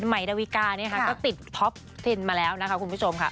ไมดาวิกาเนี่ยค่ะก็ติดท็อปทินมาแล้วนะคะคุณผู้ชมค่ะ